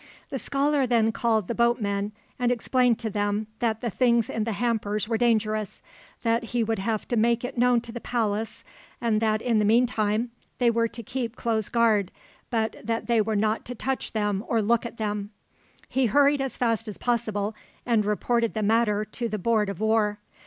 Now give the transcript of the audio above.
The scholar then called the boatmen, and explained to them that the things in the hampers were dangerous, that he would have to make it known to the Palace, and that in the meantime they were to keep close guard, but that they were not to touch them or look at them. He hurried as fast as possible, and reported the matter to the Board of War.